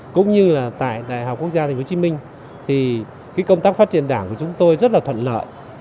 cũng như là tại đại học quốc gia tp hcm thì công tác phát triển đảng của chúng tôi rất là thuận lợi